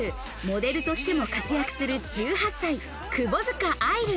モデルとしても活躍する１８歳、窪塚愛流。